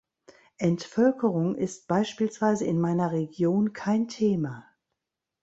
Entvölkerung ist beispielsweise in meiner Region kein Thema.